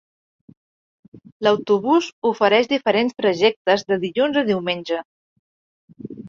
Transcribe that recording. L'autobús ofereix diferents trajectes de dilluns a diumenge.